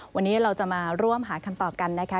วันนี้เราจะมาร่วมหาคำตอบกันนะคะ